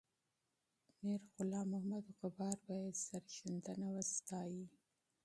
میرغلام محمد غبار به یې سرښندنه وستایي.